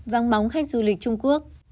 vắng bóng khách du lịch trung quốc